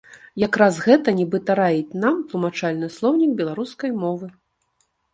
Якраз гэта нібыта раіць нам тлумачальны слоўнік беларускай мовы.